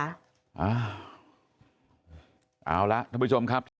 อ้าวเอาละทุกผู้ชมครับ